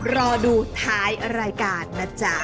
รอดูท้ายรายการนะจ๊ะ